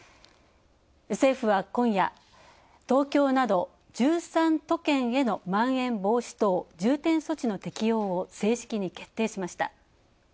政府は今夜、東京など１３都県へのまん延防止等重点措置の適用を正式に決定しました。